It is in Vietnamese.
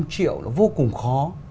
ba trăm linh triệu là vô cùng khó